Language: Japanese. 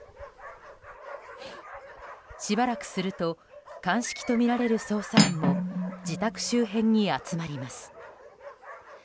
しばらくすると鑑識とみられる捜査員も自宅周辺に集まります。